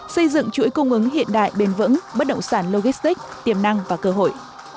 xây dựng chuỗi cung ứng hiện đại bền vững bất động sản logistic tiềm năng và cơ hội